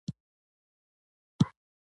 کاکړ د خپلو مشرانو درناوی کوي.